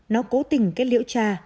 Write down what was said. nó cố tình kết liễu cha